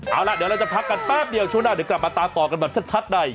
เอาล่ะเดี๋ยวเราจะพักกันแป๊บเดียวช่วงหน้าเดี๋ยวกลับมาตามต่อกันแบบชัดใน